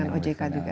dengan ojk juga